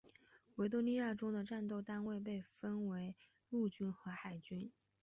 维多利亚中的战斗单位被分为陆军和海军。